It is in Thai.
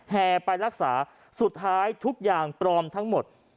แห่ไปรักษาสุดท้ายทุกอย่างปลอมทั้งหมด